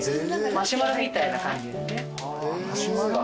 マシュマロみたいな感じですね。